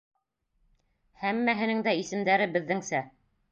Һәммәһенең дә исемдәре беҙҙеңсә.